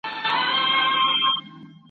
ښايي بیرته سي راپورته او لا پیل کړي سفرونه `